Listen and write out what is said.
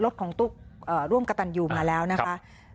รถของตุ๊กร่วมกระตันยูมาแล้วนะคะ